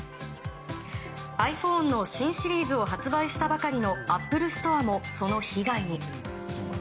ｉＰｈｏｎｅの新シリーズを発売したばかりのアップルストアも、その被害に。